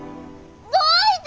どういて！？